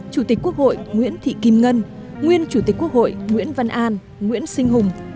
chủ tịch quốc hội nguyễn thị kim ngân nguyên chủ tịch quốc hội nguyễn văn an nguyễn sinh hùng